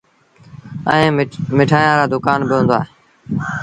ائيٚݩ مٺآيآن رآ دُڪآن با هُݩدآ۔